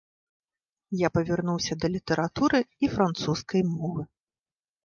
Я павярнуўся да літаратуры і французскай мовы.